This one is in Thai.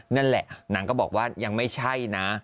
นั่นแหละนางก็บอกว่ายังไม่ใช่นะ